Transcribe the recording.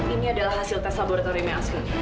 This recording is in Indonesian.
ini adalah hasil tes laboratoriumnya asli